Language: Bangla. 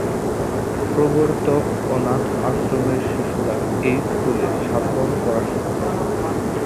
প্রবর্তক অনাথ আশ্রমের শিশুরা এই স্কুলে সাধারণত পড়াশুনা করে।